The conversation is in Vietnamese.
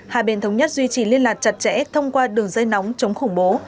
hai bên thống nhất duy trì liên lạc chặt chẽ thông qua đường dây nóng chống khủng bố